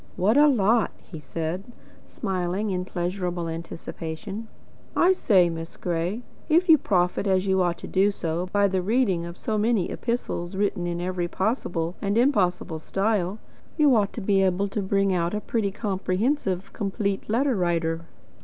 "What a lot!" he said, smiling in pleasurable anticipation. "I say, Miss Gray, if you profit as you ought to do by the reading of so many epistles written in every possible and impossible style, you ought to be able to bring out a pretty comprehensive 'Complete Letter writer.'